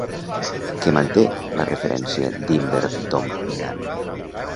Què manté la referència d'Inber Domnann?